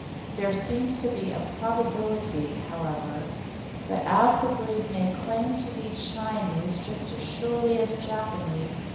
There seems to be a probability, however, that the breed may claim to be Chinese just as surely as Japanese.